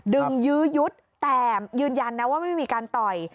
ยื้อยุดแต่ยืนยันนะว่าไม่มีการต่อย